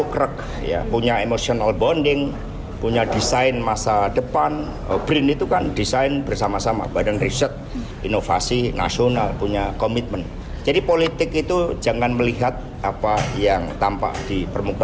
kehesan pangarep menjadi kader psi